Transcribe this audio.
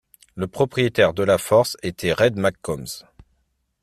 Le propriétaire de la Force était Red McCombs.